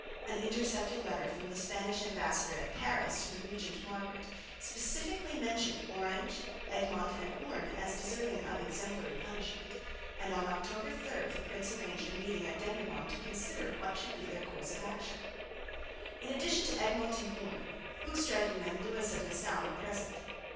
An intercepted letter from the Spanish ambassador at Paris to the Regent Margaret, specifically mentioned Orange, Egmont and Hoorn as deserving of exemplary punishment; and on October 3 the prince arranged a meeting at Dendermonde to consider what should be their course of action. In addition to Egmont and Hoorn, Hoogstraeten and Lewis of Nassau were present.